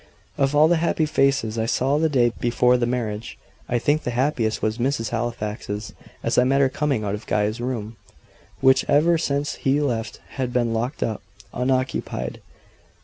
Of all the happy faces I saw the day before the marriage, I think the happiest was Mrs. Halifax's, as I met her coming out of Guy's room, which ever since he left had been locked up, unoccupied.